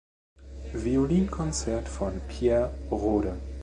Violinkonzert von Pierre Rode.